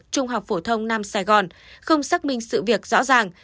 trung học phổ thông nam sài gòn không xác minh sự việc rõ ràng